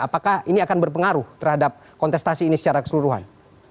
apakah ini akan berpengaruh terhadap kontestasi ini secara keseluruhan